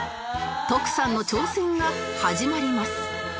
トクサンの挑戦が始まります